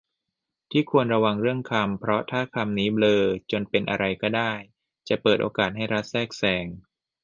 ที่ควรระวังเรื่องคำ เพราะถ้าคำนี้เบลอจนเป็นอะไรก็ได้ จะเปิดโอกาสให้รัฐแทรกแซง